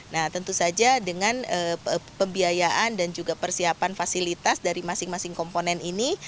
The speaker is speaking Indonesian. nah tentu saja dengan pembiayaan dan juga persiapan fasilitas dari masing masing komponen ini